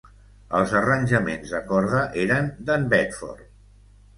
Els arranjaments de corda eren d'en Bedford.